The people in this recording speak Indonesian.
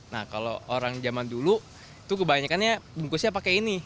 nah kalau orang zaman dulu itu kebanyakannya bungkusnya pakai ini